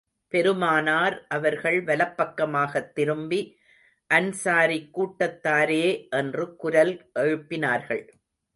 பெருமானார் அவர்கள் வலப்பக்கமாகத் திரும்பி, அன்ஸாரிக் கூட்டத்தாரே என்று குரல் எழுப்பினார்கள்.